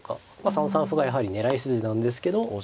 ３三歩がやはり狙い筋なんですけど。